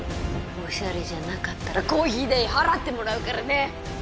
おしゃれじゃなかったらコーヒー代払ってもらうからね！